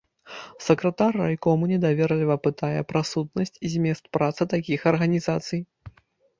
Сакратар райкому недаверліва пытае пра сутнасць і змест працы такіх арганізацый.